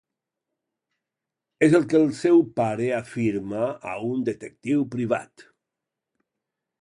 És el que el seu pare afirma a un detectiu privat.